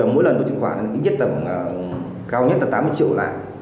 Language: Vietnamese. mỗi lần tôi truyền khoản ít nhất tầm cao nhất là tám mươi triệu lại